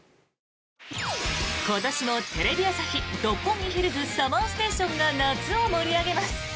今年もテレビ朝日・六本木ヒルズＳＵＭＭＥＲＳＴＡＴＩＯＮが夏を盛り上げます。